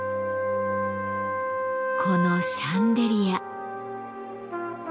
このシャンデリア。